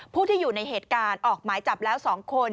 ผู้ที่อยู่ในเหตุการณ์ออกหมายจับแล้ว๒คน